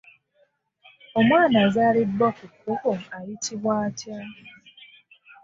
Omwana azaalibwa ku kkubo ayitibwa atya?